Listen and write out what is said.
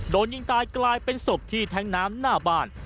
โดนยิงตายกลายเป็นศพที่แท้งน้ำหน้าบ้าน